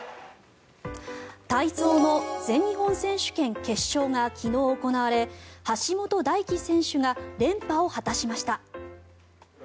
体操の全日本選手権決勝が昨日、行われ橋本大輝選手が連覇を果たしました。